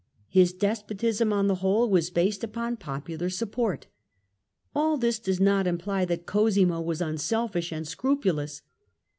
His des potism, on the whole, was based upon popular support. All this does not imply that Cosimo was unselfish and scrupulous.